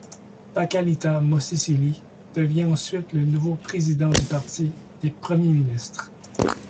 Pakalitha Mosisili devient ensuite le nouveau président du parti et premier ministre.